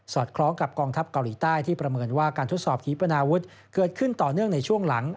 คล้องกับกองทัพเกาหลีใต้ที่ประเมินว่าการทดสอบขีปนาวุฒิเกิดขึ้นต่อเนื่องในช่วงหลัง